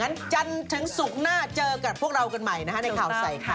งั้นจันทั้งสุกหน้าเจอกับพวกเรากันใหม่นะคะในข่าวใสค่ะ